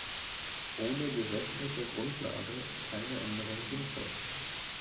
Ohne gesetzliche Grundlage ist keine Änderung sinnvoll.